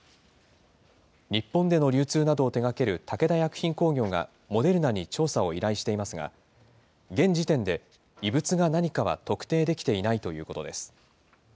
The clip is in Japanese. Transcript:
日本での流通などを手がける武田薬品工業がモデルナに調査を依頼していますが、現時点で異物が何かは特定できていないということです。